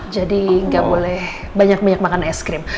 jadi nggak boleh banyak banyak makan es krim